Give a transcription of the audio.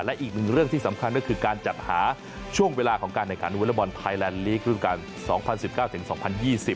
และอีกหนึ่งเรื่องที่สำคัญก็คือการจัดหาช่วงเวลาของการไหนขันวลบอลไทยแลนด์ลีกฤดูการสองพันสิบเก้าถึงสองพันยี่สิบ